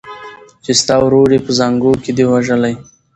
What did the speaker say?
چي ستا ورور یې په زانګو کي دی وژلی